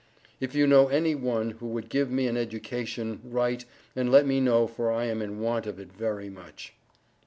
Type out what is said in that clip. If you know any one who would give me an education write and let me know for I am in want of it very much.